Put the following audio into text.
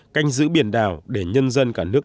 canh giữ biển đảo để nhân dân cả nước